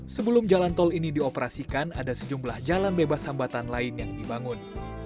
sebelum jalan tol ini dioperasikan ada sejumlah jalan bebas hambatan lain yang dibangun